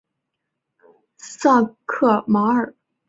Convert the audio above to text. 萨克马尔。